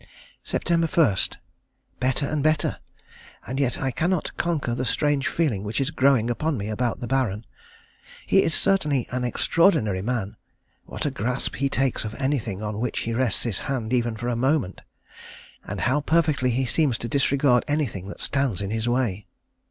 Sept. 1. Better and better, and yet I cannot conquer the strange feeling which is growing upon me about the Baron. He is certainly an extraordinary man. What a grasp he takes of anything on which he rests his hand even for a moment; and how perfectly he seems to disregard anything that stands in his way.